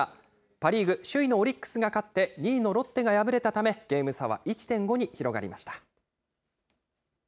パ・リーグ首位のオリックスが勝って、２位のロッテが敗れたため、ゲーム差は１．５に広がりました。